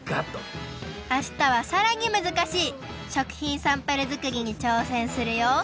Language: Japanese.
あしたはさらにむずかしい食品サンプルづくりにちょうせんするよ。